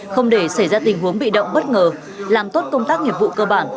không để xảy ra tình huống bị động bất ngờ làm tốt công tác nghiệp vụ cơ bản